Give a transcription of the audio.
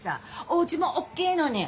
おうちも大きいのに。